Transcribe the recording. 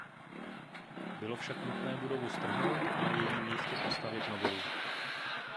Bylo však nutné budovu strhnout a na jejím místě postavit novou.